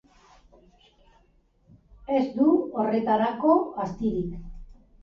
Ez dut horretarako astirik.